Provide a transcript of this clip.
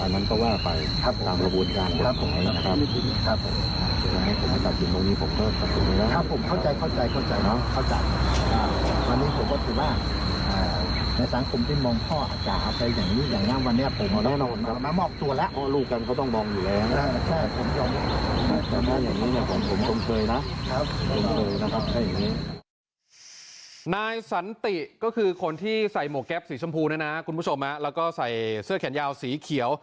นายสันติก็คือคนที่ใส่หมวกแก๊ปสีชมพูเนี่ยนะคุณผู้ชมแล้วก็ใส่เสื้อแขนยาวสีเขียว